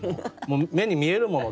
目に見えるもの